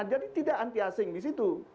jadi tidak anti asing di situ